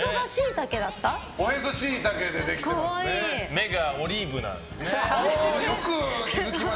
目がオリーブなんですね。